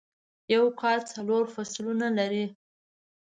یو کال څلور فصلونه لری